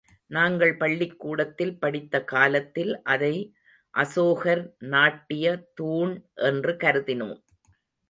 நாங்கள் பள்ளிக்கூடத்தில் படித்த காலத்தில் அதை அசோகர் நாட்டிய தூண் என்று கருதினோம்.